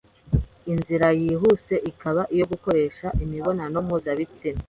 inzira yihuse ikaba iyo gukoresha imibonano mpuzabitsina.”